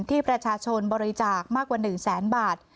ที่ประชาชนบริจาคมากกว่า๑แสนบาท